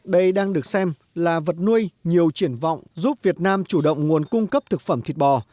đây đang được xem là vật nuôi nhiều triển vọng giúp việt nam chủ động nguồn cung cấp thực phẩm thịt bò